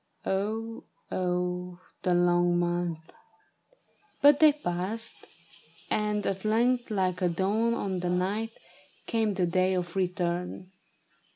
Oh, oh, the long months ! But they passed, and at length, like a dawn on the night. Came the day of return.